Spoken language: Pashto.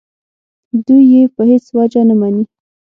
دوی یې په هېڅ وجه نه مني.